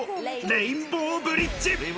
レインボーブリッジ。